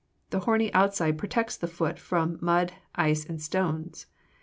The horny outside protects the foot from mud, ice, and stones.